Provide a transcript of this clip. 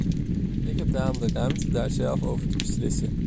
Ik heb daarom de ruimte daar zelf over te beslissen.